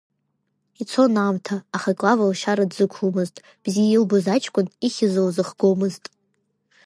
Ицон аамҭа, аха Клава лшьара дзықәломызт, бзиа илбоз аҷкәын ихьыз лзыхгомызт.